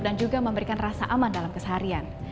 dan juga memberikan rasa aman dalam keseharian